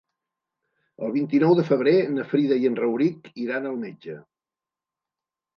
El vint-i-nou de febrer na Frida i en Rauric iran al metge.